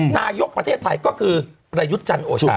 นายกประเทศไทยก็คือปรยุตจันโอชาย